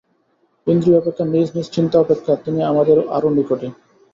ইন্দ্রিয় অপেক্ষা, নিজ নিজ চিন্তা অপেক্ষা তিনি আমাদের আরও নিকটে।